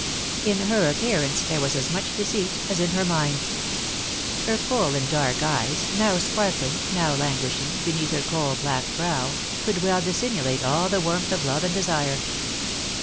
In her appearance, there was as much deceit as in her mind. Her full and dark eyes, now sparkling, now languishing, beneath her coal black brow, could well dissimulate all the warmth of love and desire.